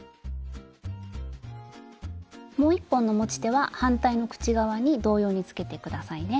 もう一本の持ち手は反対の口側に同様につけて下さいね。